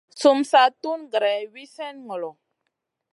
Sum sa tun greyna wi slèh ŋolo.